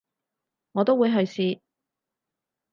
我都會去試